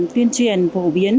tuyên truyền phổ biến